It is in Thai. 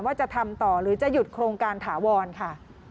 ว่าจะทำต่อหรือจะหยุดโครงการถาวรค่ะ